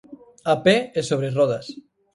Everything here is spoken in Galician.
A pé e sobre rodas.